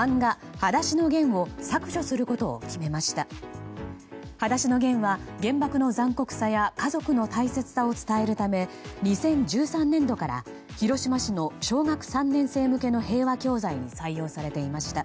「はだしのゲン」は原爆の残酷さや家族の大切さを伝えるため２０１３年度から広島市の小学３年生向けの平和教材に採用されていました。